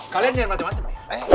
kalian jangan macem macem ya